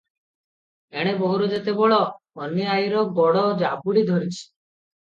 ଏଣେ ବୋହୂର ଯେତେ ବଳ, ଅନୀ ଆଈର ଗୋଡ଼ ଜାବଡ଼ି ଧରିଛି ।